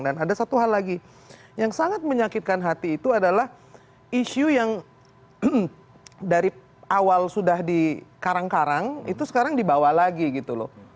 dan ada satu hal lagi yang sangat menyakitkan hati itu adalah isu yang dari awal sudah di karang karang itu sekarang dibawa lagi gitu loh